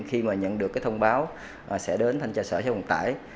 khi mà nhận được cái thông báo sẽ đến thanh tra sở giao thông tải